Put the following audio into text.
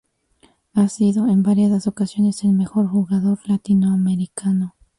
Ha sido en variadas ocasiones el mejor jugador latinoamericano.